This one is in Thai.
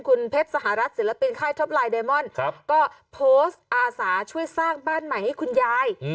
คุณเพชรสหรัฐศิลปินค่ายท็อปไลน์เดมอนก็โพสต์อาสาช่วยสร้างบ้านใหม่ให้คุณยาย